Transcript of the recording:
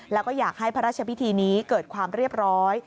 แล้วก็อยากให้พระราชพิธีนี้เกิดความเรียบร้อย